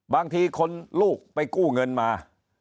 บางทีคนลูกไปกู้เงินมา